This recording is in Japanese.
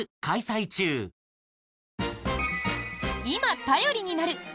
今、頼りになる！